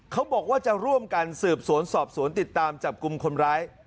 เขาบอกว่าจะร่วมกันสืบสวนสอบสวนติดตามจับกลุ่มคนร้าย